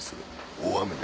大雨で。